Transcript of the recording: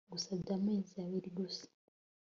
ngusabye amezi abiri gusa